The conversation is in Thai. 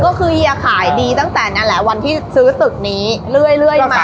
ก็คือเฮียขายดีตั้งแต่นั่นแหละวันที่ซื้อตึกนี้เรื่อยมา